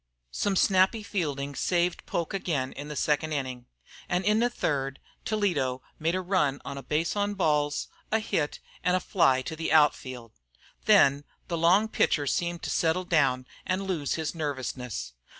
Some snappy fielding saved Poke again in the second inning, and in the third Toledo made a run on a base on balls, a hit and a fly to the out field. Then the long pitcher seemed to settle down and lose his nervousness.